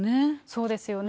そうですよね。